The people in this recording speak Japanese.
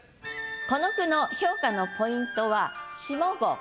この句の評価のポイントは下五